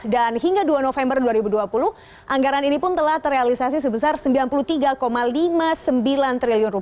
dan hingga dua november dua ribu dua puluh anggaran ini pun telah terrealisasi sebesar rp sembilan puluh tiga lima puluh sembilan triliun